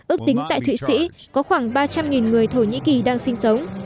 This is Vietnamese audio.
ước tính tại thụy sĩ có khoảng ba trăm linh người thổ nhĩ kỳ đang sinh sống